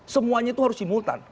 semuanya itu harus dimultan